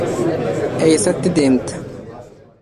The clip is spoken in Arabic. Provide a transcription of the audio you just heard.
ظهرت عجائب قدرة الرحمن